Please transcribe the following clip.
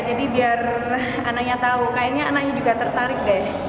jadi biar anaknya tahu kayaknya anaknya juga tertarik deh